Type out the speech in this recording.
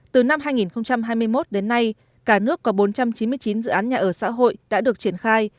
từ năm hai nghìn hai mươi một đến nay cả nước có bốn trăm chín mươi chín dự án nhà ở xã hội đã được triển khai